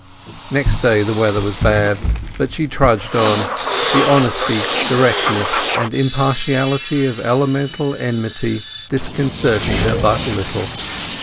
Next day the weather was bad, but she trudged on, the honesty, directness, and impartiality of elemental enmity disconcerting her but little.